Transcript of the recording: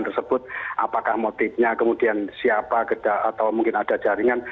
tersebut apakah motifnya kemudian siapa atau mungkin ada jaringan